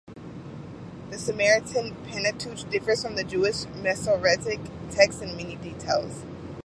The Samaritan Pentateuch differs from the Jewish Masoretic Text in many details.